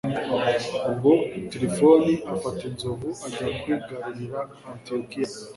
ubwo tirifoni afata inzovu ajya kwigarurira antiyokiya